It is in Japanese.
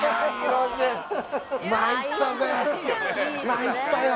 参ったよ